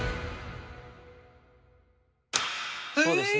そうですね。